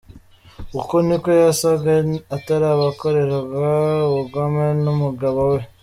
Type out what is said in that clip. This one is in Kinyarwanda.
Uko niko yasaga atarakorerwa ubugome n’umugabo we.